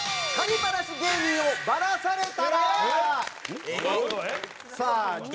バラシ芸人をバラされた？